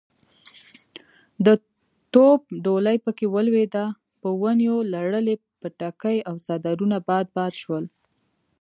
د توپ ډولۍ پکې ولګېده، په ونيو لړلي پټکي او څادرونه باد باد شول.